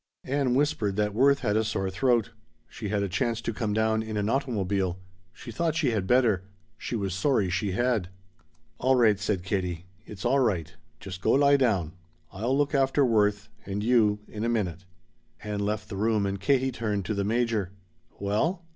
Ann whispered that Worth had a sore throat. She had a chance to come down in an automobile. She thought she had better. She was sorry she had. "All right," said Katie. "It's all right. Just go lie down. I'll look after Worth and you in a minute." Ann left the room and Katie turned to the Major. "Well?"